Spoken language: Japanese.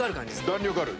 弾力ある。